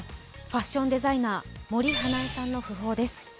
ファッションデザイナー・森英恵さんの訃報です。